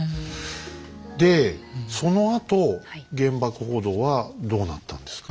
でそのあと原爆報道はどうなったんですか？